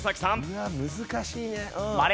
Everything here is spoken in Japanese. うわあ難しいね。